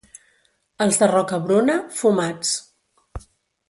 Els de Rocabruna, fumats.